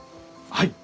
はい！